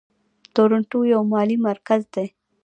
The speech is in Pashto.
تورنټو یو مالي مرکز دی.